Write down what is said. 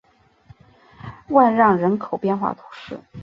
万让人口变化图示